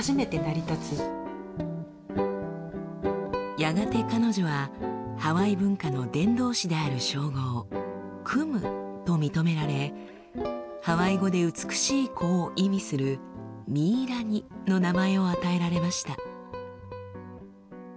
やがて彼女はハワイ文化の伝道師である称号「クム」と認められハワイ語で「美しい子」を意味する「ミイラニ」の名前を与えられました。